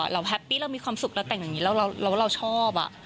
แฮปปี้เรามีความสุขเราแต่งอย่างนี้แล้วเราชอบ